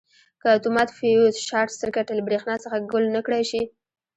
که اتومات فیوز شارټ سرکټ له برېښنا څخه ګل نه کړای شي.